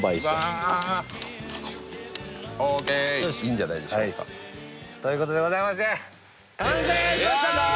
うわオーケーいいんじゃないでしょうかということでございまして完成しました！